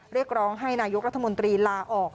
เรียกร้องให้นายกรัฐมนตรีลาออก